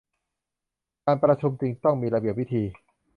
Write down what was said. การประชุมจึงต้องมีระเบียบวิธี